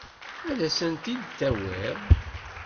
Ad asen-tent-id-tawiḍ?